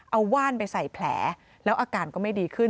เอาว่านไปใส่แผลแล้วอาการก็ไม่ดีขึ้น